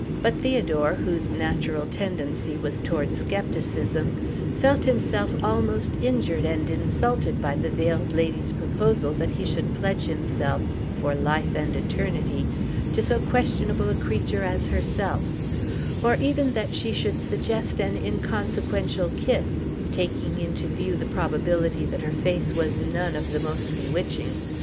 But Theodore, whose natural tendency was towards scepticism, felt himself almost injured and insulted by the Veiled Lady's proposal that he should pledge himself, for life and eternity, to so questionable a creature as herself; or even that she should suggest an inconsequential kiss, taking into view the probability that her face was none of the most bewitching.